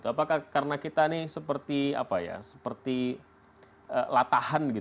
apakah karena kita ini seperti latahan